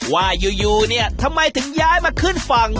ว่าอยู่เนี่ยทำไมถึงย้ายมาขึ้นฝั่ง